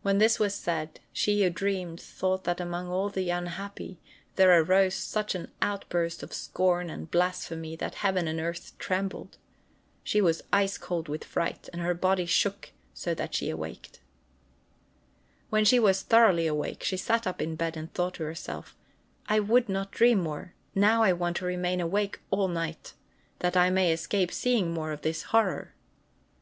When this was said, she who dreamed thought that among all the unhappy there arose such an outburst of scorn and blasphemy that heaven and earth trembled. She was ice cold with fright, and her body shook so that she awaked. When she was thoroughly awake, she sat up in bed and thought to herself: "I would not dream more. Now I want to remain awake all night, that I may escape seeing more of this horror."